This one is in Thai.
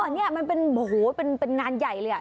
อ๋อนี่มันเป็นงานใหญ่เลย